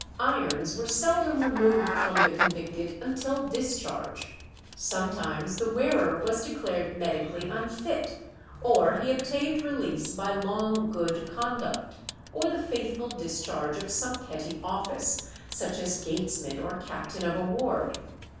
Irons were seldom removed from the convicted until discharge; sometimes the wearer was declared medically unfit, or he obtained release by long good conduct, or the faithful discharge of some petty office, such as gatesman or captain of a ward.